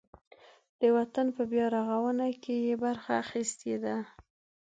د وطن په بیارغاونه کې یې برخه اخیستې ده.